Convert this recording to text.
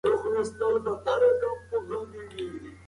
موږ باید د ټولنیزو بدلونونو په علتونو پوه شو.